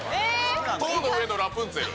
塔の上のラプンツェル。